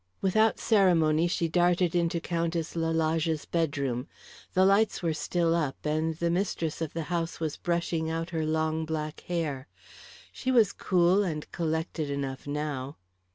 Without ceremony she darted into Countess Lalage's bedroom. The lights were still up, and the mistress of the house was brushing out her long black hair. She was cool and collected enough now.